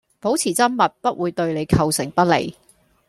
保持緘默不會對你構成不利